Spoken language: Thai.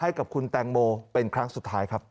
ให้กับคุณแตงโมเป็นครั้งสุดท้ายครับ